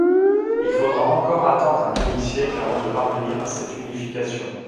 Il faudra encore attendre un demi-siècle avant de parvenir à cette unification.